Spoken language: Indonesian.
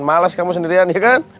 males kamu sendirian ya kan